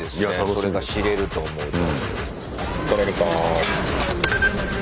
それが知れると思うと。